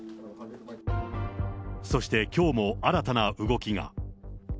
そしてきょうも新たな動きが。